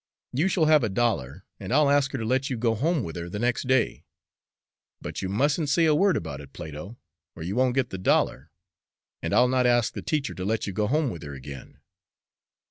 You shall have a dollar, and I'll ask her to let you go home with her the next day. But you mustn't say a word about it, Plato, or you won't get the dollar, and I'll not ask the teacher to let you go home with her again."